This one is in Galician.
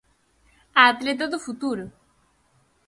A atleta do futuro.